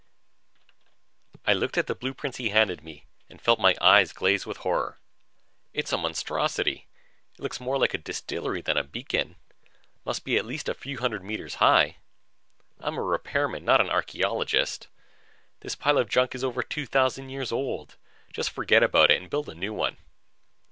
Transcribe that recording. I looked at the blueprints he handed me and felt my eyes glaze with horror. "It's a monstrosity! It looks more like a distillery than a beacon must be at least a few hundred meters high. I'm a repairman, not an archeologist. This pile of junk is over 2000 years old. Just forget about it and build a new one."